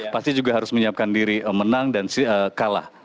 pasti juga harus menyiapkan diri menang dan kalah